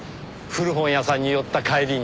古本屋さんに寄った帰りに。